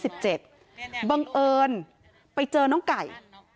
บังเอิญไปเจอน้องไก่